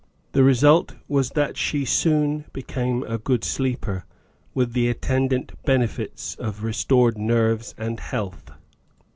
The result was that she soon became a good sleeper, with the attendant benefits of restored nerves and health.